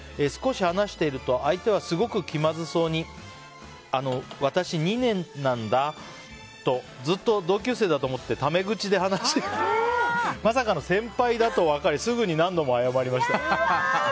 少し話していると相手はすごく気まずそうにあの私、２年なんだとずっと同級生だと思ってタメ口で話していたらまさかの先輩だと分かりすぐに何度も謝りました。